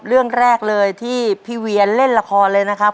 เรื่องแรกเลยที่พี่เวียนเล่นละครเลยนะครับ